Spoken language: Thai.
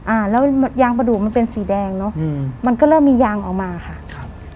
อ่าแล้วยางประดูกมันเป็นสีแดงเนอะอืมมันก็เริ่มมียางออกมาค่ะครับ